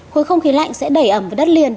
khối không khí lạnh sẽ đẩy ẩm vào đất liền